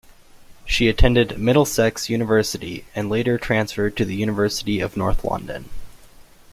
She attended Middlesex University, and later transferred to the University of North London.